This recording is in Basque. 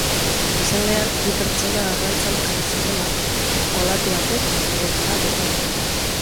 Goizaldean, bi pertsona arrantzan ari zirela, olatu batek uretara bota ditu.